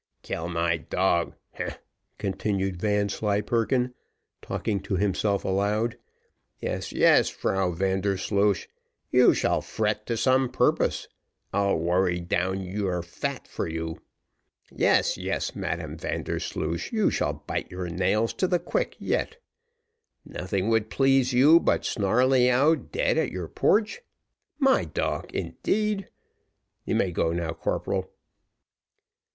"Kill my dog, heh!" continued Vanslyperken, talking to himself aloud. "Yes, yes, Frau Vandersloosh, you shall fret to some purpose. I'll worry down your fat for you. Yes, yes, Madam Vandersloosh, you shall bite your nails to the quick yet. Nothing would please you but Snarleyyow dead at your porch. My dog, indeed! you may go now, corporal."